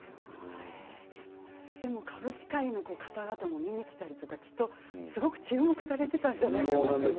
でも歌舞伎界の方々も見に来たりとかきっとすごく注目されていたんじゃないですか。